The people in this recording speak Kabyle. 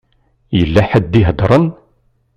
Yella ḥedd i iheddṛen.